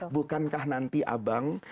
bukankah nanti abang